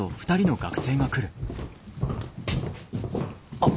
あっ。